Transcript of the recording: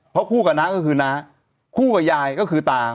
เพราะคู่กับน้าก็คือน้าคู่กับยายก็คือตา